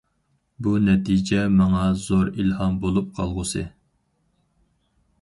بۇ نەتىجە ماڭا زور ئىلھام بولۇپ قالغۇسى.